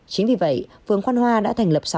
chính vì vậy phường quan hoa đã thành lập